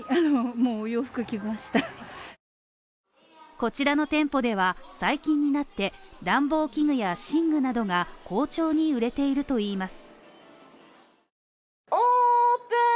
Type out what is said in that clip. こちらの店舗では、最近になって、暖房器具や寝具などが好調に売れているといいます。